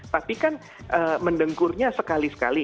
tapi kan mendengkurnya sekali sekali